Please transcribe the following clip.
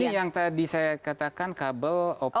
ini yang tadi saya katakan kabel opsi